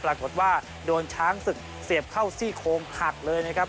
ปรากฏว่าโดนช้างศึกเสียบเข้าซี่โคงหักเลยนะครับ